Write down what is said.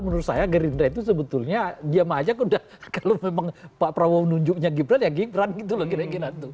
menurut saya gerindra itu sebetulnya diam aja udah kalau memang pak prabowo nunjuknya gibran ya gibran gitu loh kira kira tuh